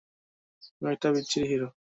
তুমি একটা বিচ্ছিরি হিরো!